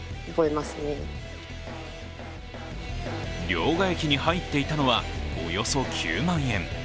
両替機に入っていたのはおよそ９万円。